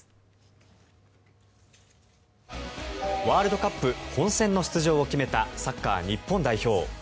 ワールドカップ本戦の出場を決めたサッカー日本代表。